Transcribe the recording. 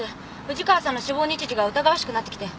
藤川さんの死亡日時が疑わしくなってきて。